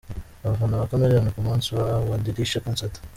Abafana ba Chameleone ku munsi wa Badilisha Concert.